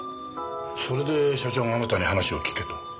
それで社長があなたに話を聞けと。